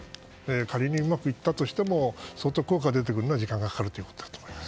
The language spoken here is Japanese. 仮にうまくいっても相当、効果が出てくるまでに時間がかかるということだと思います。